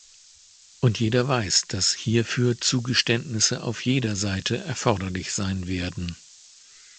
Und jeder weiß, dass hierfür Zugeständnisse auf jeder Seite erforderlich sein werden.